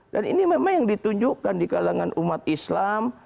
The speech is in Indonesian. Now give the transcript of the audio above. dan ini memang yang ditunjukkan di kalangan umat islam